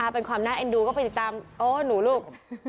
เป็นความน่าเอ็นดูก็ไปติดตามโอ้หนูลูก